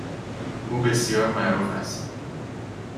او بسیار معروف است.